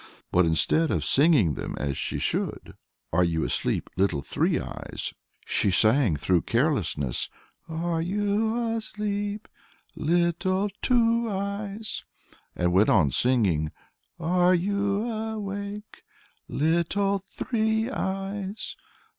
But instead of singing then as she should, "Are you asleep, Little Three Eyes?" she sang, through carelessness, "Are you asleep, Little Two Eyes?" and went on singing, "Are you awake, Little Three Eyes?